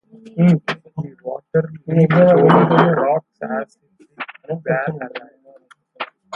The water leapt over the rocks as if it were alive.